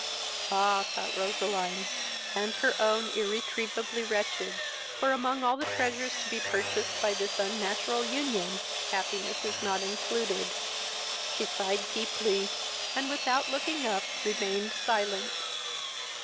Ah! thought Roseline, and her own irretrievably wretched; for, among all the treasures to be purchased by this unnatural union, happiness is not included. She sighed deeply, and, without looking up, remained silent.